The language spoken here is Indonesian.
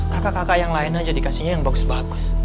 kakak kakak yang lain aja dikasihnya yang box bagus